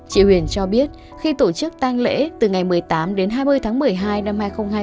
chị huyền cho biết khi tổ chức tăng lễ từ ngày một mươi tám đến hai mươi tháng một mươi hai năm hai nghìn hai mươi ba